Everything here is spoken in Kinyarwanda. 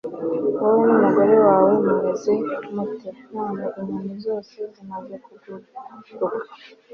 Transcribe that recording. wowe n'umugore wawe mumeze mute, none inyoni zose zimaze kuguruka